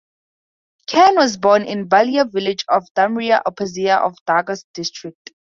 Khan was born in Balia village of Dhamrai upazila of Dhaka district.